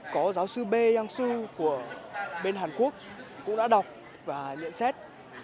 có giáo sư b yang su của bên hàn quốc cũng đã đọc và nhận xét